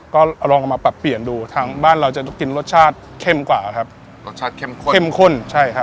ก็ลองเอามาปรับเปลี่ยนดูทางบ้านเราจะได้กินรสชาติเข้มกว่าครับรสชาติเข้มข้นเข้มข้นใช่ครับ